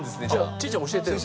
ちーちゃん教えてるの？